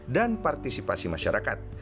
dan partisipasi masyarakat